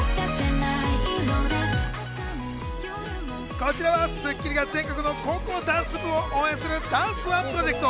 こちらは『スッキリ』が全国の高校ダンス部を応援するダンスＯＮＥプロジェクト。